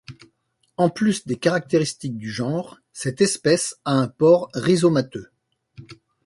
En plus des caractéristiques du genre, cette espèce a un port rhizomateux.